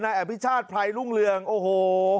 นายแอบพิชาติไพร่รุ่งเรืองโอ้โห